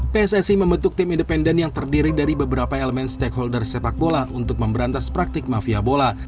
pssi membentuk tim independen yang terdiri dari beberapa elemen stakeholder sepak bola untuk memberantas praktik mafia bola